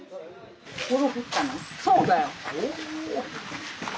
そうだよ。